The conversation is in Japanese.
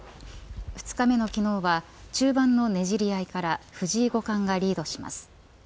２日目の昨日は中盤のねじり合いから藤井五冠がリードします。